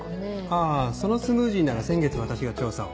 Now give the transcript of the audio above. あぁそのスムージーなら先月私が調査を。